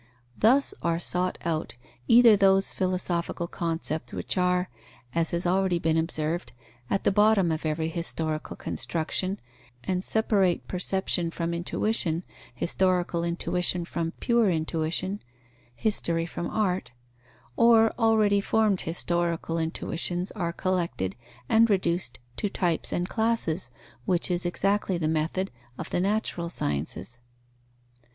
Thus are sought out either those philosophical concepts which are, as has already been observed, at the bottom of every historical construction and separate perception from intuition, historical intuition from pure intuition, history from art; or already formed historical intuitions are collected and reduced to types and classes, which is exactly the method of the natural sciences.